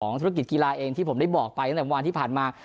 ธุรกิจกีฬาเองที่ผมได้บอกไปตั้งแต่เมื่อวานที่ผ่านมา